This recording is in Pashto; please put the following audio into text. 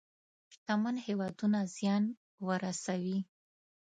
شتمن هېوادونه زيان ورسوي.